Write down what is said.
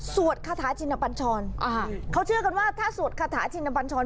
คาถาชินปัญชรอ่าเขาเชื่อกันว่าถ้าสวดคาถาชินบัญชร